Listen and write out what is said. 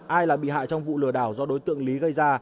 ai là bị hại trong vụ lừa đảo do đối tượng lý gây ra